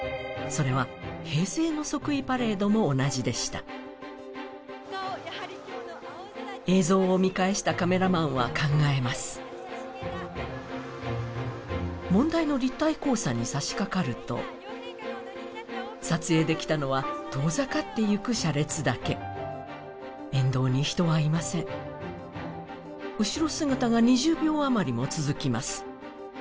それは平成の即位パレードも同じでした映像を見返したカメラマンは考えます問題の立体交差にさしかかると撮影できたのは遠ざかっていく車列だけ沿道に人はいません後ろ姿が２０秒余りも続きます